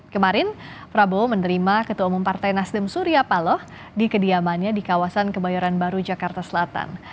kemarin prabowo menerima ketua umum partai nasdem surya paloh di kediamannya di kawasan kebayoran baru jakarta selatan